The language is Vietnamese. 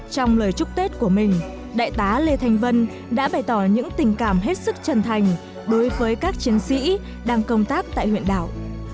trong lời chúc tết của mình đại tá lê thanh vân đã bày tỏ những tình cảm hết sức chân thành đối với các chiến sĩ đang công tác tại huyện đảo